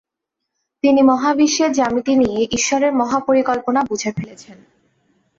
তিনি মহাবিশ্বের জ্যামিতি নিয়ে ঈশ্বরের মহাপরিকল্পনা বুঝে ফেলেছেন।